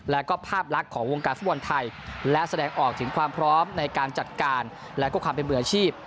แล้วก็ภาพลักษณ์ของวงการฟุตบอลไทยและแสดงออกถึงความพร้อมในการจัดการและก็ความเป็นมืออาชีพ